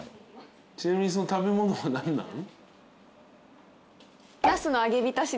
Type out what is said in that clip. ちなみにその食べ物は何なん？